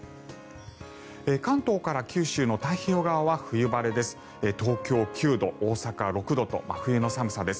関東から九州の太平洋側は冬晴れです。